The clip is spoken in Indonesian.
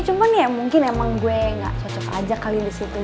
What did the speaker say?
cuma nih ya mungkin emang gua nggak cocok aja kali di situ